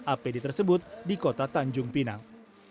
apd tersebut di kota tanjung pinang